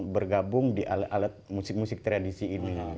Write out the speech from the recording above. bergabung di alat alat musik musik tradisi ini